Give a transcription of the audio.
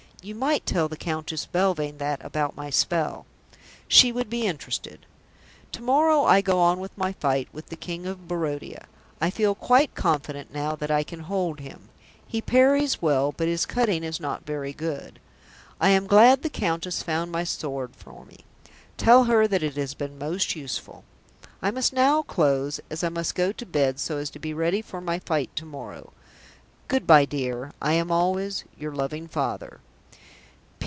You might tell the Countess Belvane that about my spell; she would be interested. "To morrow I go on with my fight with the King of Barodia. I feel quite confident now that I can hold him. He parries well, but his cutting is not very good. I am glad the Countess found my sword for me; tell her that it has been most useful. "I must now close as I must go to bed so as to be ready for my fight to morrow. Good bye, dear. I am always, "YOUR LOVING FATHER.